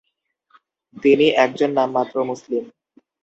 তিনি একজন নামমাত্র মুসলিম।